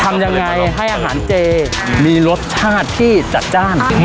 ทำยังไงให้อาหารเจมีรสชาติที่จัดจ้าน